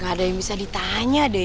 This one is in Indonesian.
gak ada yang bisa ditanya deh